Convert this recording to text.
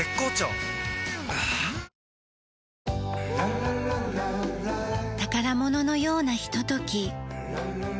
はぁ宝物のようなひととき。